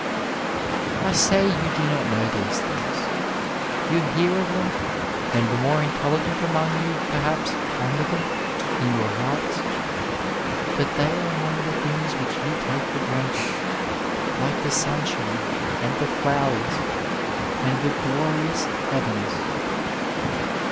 I say you do not know these things. You hear of them, and the more intelligent among you perhaps ponder them in your hearts, but they are among the things which you take for granted, like the sunshine, and the flowers and the glorious heavens.